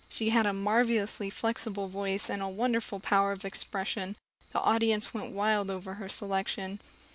She had a marvelously flexible voice and wonderful power of expression; the audience went wild over her selection.